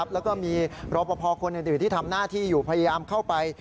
แล้วก็มีรอปภคนอื่นที่ทำหน้าที่อยู่พยายามเข้าไป